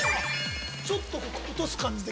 ◆ちょっと落とす感じで。